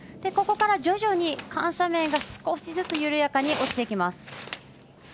ここから徐々に緩斜面が少しずつ緩やかに落ちていきます。